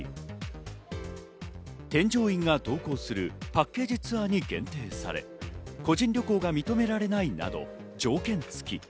添乗員が同行するパッケージツアーに限定され、個人旅行が認められないなど条件付き。